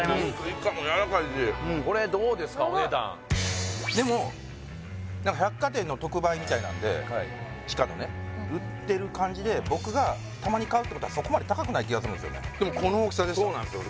イカもやらかいしでも百貨店の特売みたいなので地下のね売ってる感じで僕がたまに買うってことはそこまで高くない気がするんですでもこの大きさですからそうなんですよ